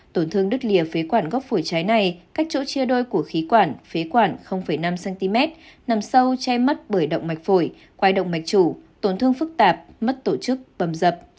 tổn thương đứt lìa phía quản gốc phổi trái này cách chỗ chia đôi của khí quản phế quản năm cm nằm sâu che mắt bởi động mạch phổi khoai động mạch chủ tổn thương phức tạp mất tổ chức bầm dập